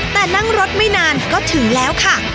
แต่นั่งรถไม่นานก็ถึงแล้วค่ะ